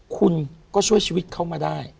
คุณก็ช่วยชีวิตเขามาได้